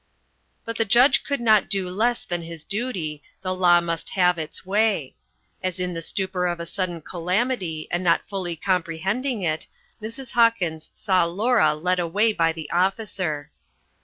But the judge could not do less than his duty, the law must have its way. As in the stupor of a sudden calamity, and not fully comprehending it, Mrs. Hawkins saw Laura led away by the officer.